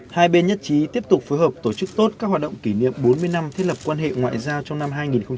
hai bên nhất trí tiếp tục phối hợp tổ chức tốt các hoạt động kỷ niệm bốn mươi năm thiết lập quan hệ ngoại giao trong năm hai nghìn hai mươi